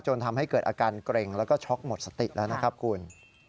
ทำให้เกิดอาการเกร็งแล้วก็ช็อกหมดสติแล้วนะครับคุณ